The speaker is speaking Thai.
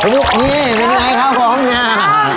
เป็นไงคะของอัธแพง